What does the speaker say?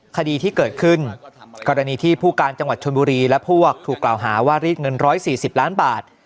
คดีที่เกิดขึ้นกรณีที่ผู้การจังหวัดชนบุรีและพวกถูกกล่าวหาว่ารีดเงิน๑๔๐ล้านบาท